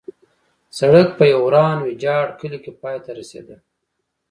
سړک په یو وران ویجاړ کلي کې پای ته رسېده.